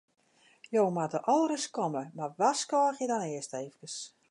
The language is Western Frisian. Jimme moatte al ris komme, mar warskôgje dan earst efkes.